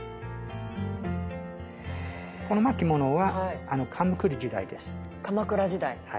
この巻物は鎌倉時代です。